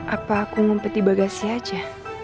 apa aku ngumpet di bagasi aja